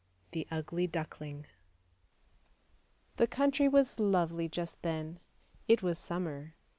THE UGLY DUCKLING THE country was lovely just then; it was summer.